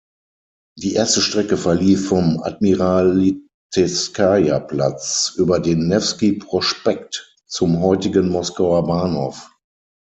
Die erste Strecke verlief vom "Admiralitejskaja-Platz" über den "Newski-Prospekt" zum heutigen "Moskauer Bahnhof".